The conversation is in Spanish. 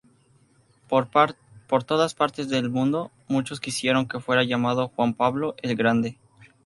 Por todas partes el mundo, muchos quisieron que fuera llamado Juan Pablo, el Grande.